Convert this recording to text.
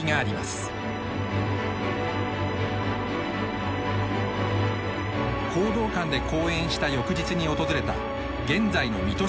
弘道館で講演した翌日に訪れた現在の水戸商業高校です。